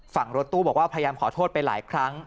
รถตู้บอกว่าพยายามขอโทษไปหลายครั้ง